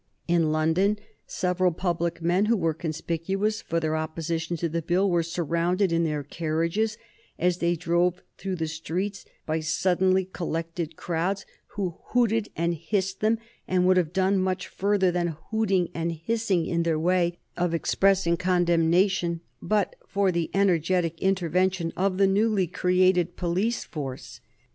In London several public men who were conspicuous for their opposition to the Bill were surrounded in their carriages as they drove through the streets by suddenly collected crowds, who hooted and hissed them, and would have gone much further than hooting and hissing in their way of expressing condemnation but for the energetic intervention of the newly created police force.